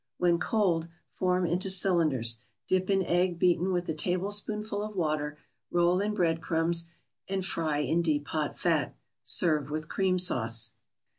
When cold form into cylinders, dip in egg beaten with a tablespoonful of water, roll in bread crumbs and fry in deep hot fat. Serve with cream sauce.